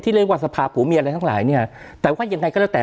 เรียกว่าสภาพผัวเมียอะไรทั้งหลายเนี่ยแต่ว่ายังไงก็แล้วแต่